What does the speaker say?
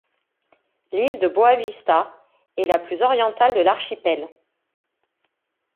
L’île de Boa Vista est la plus orientale de l'archipel.